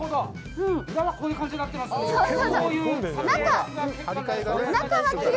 裏はこういう感じになっています。